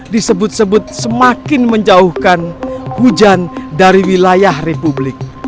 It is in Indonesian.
disebut sebut semakin menjauhkan hujan dari wilayah republik